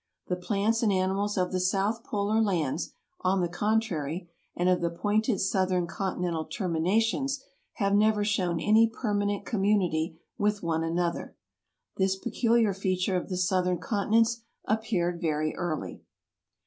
The plants and animals of the south polar lands, on the contrary, and of the pointed southern continental terminations have never shown any permanent community with one another. This peculiar feature of the southern continents appeared very early.